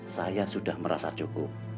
saya sudah merasa cukup